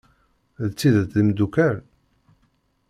D tidet d imeddukal?